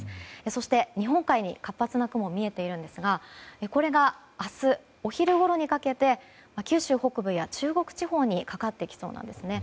そして、日本海に活発な雲が見えていますがこれが明日お昼ごろにかけて九州北部や中国地方にかかってきそうです。